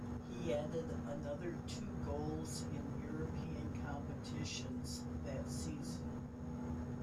He added another two goals in European competitions that season.